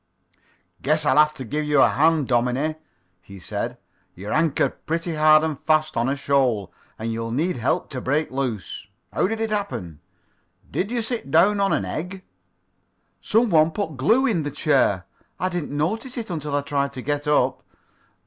"Guess I'll have to give you a hand, dominie," he said. "You're anchored pretty hard and fast on a shoal, and you'll need help to break loose. How did it happen? Did you sit down on an egg?" "Some one put glue in the chair. I did not notice it until I tried to get up."